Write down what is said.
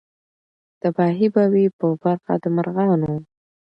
تباهي به وي په برخه د مرغانو